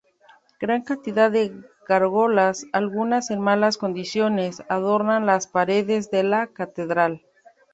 Gran cantidad de gárgolas, algunas en malas condiciones, adornan las paredes de la catedral.